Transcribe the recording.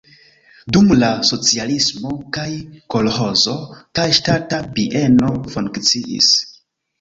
Dum la socialismo kaj kolĥozo, kaj ŝtata bieno funkciis.